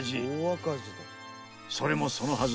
それもそのはず